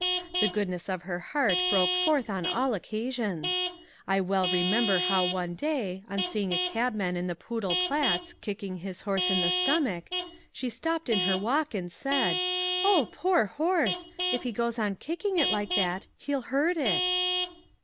The goodness of her heart broke forth on all occasions. I well remember how one day, on seeing a cabman in the Poodel Platz kicking his horse in the stomach, she stopped in her walk and said, 'Oh, poor horse! if he goes on kicking it like that he'll hurt it.'"